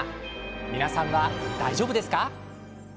皆さんは大丈夫ですか？